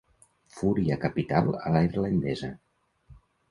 Fúria capital a la irlandesa.